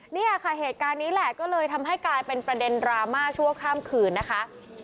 เนี่ยค่ะเหตุการณ์นี้แหละก็เลยทำให้กลายเป็นประเด็นดราม่าชั่วข้ามคืนนะคะ